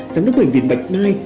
giám đốc bệnh viện bạch mai